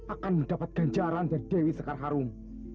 akan mendapatkan jalan dari dewi sekar harum